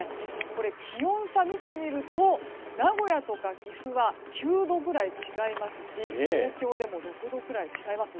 気温差を見てみると名古屋とか岐阜は９度くらい違いますし東京でも６度くらい違います。